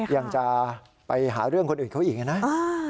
ยังจะไปหาเรื่องคนอื่นเขาอีกอย่างนั้น